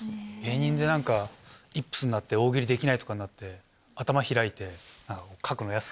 芸人で何かイップスになって大喜利できないとかになって頭開いて何かこう書くの嫌っすね。